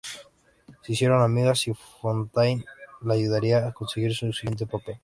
Se hicieron amigas, y Fontaine la ayudaría a conseguir su siguiente papel.